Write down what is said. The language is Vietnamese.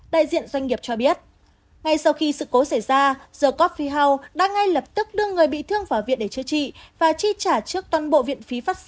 đại diện doanh nghiệp cho biết ngay sau khi sự cố xảy ra the coffee house đã ngay lập tức đưa người bị thương vào viện để chữa trị và chi trả trước toàn bộ viện phí pháp